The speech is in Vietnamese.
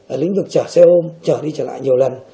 ở lĩnh vực chở xe ôm chở đi chở lại nhiều lần